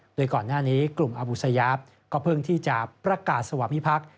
โดยก่อนหน้านี้กลุ่มอบูสยาปก็เพิ่งที่จะประกาศสวามิพักษ์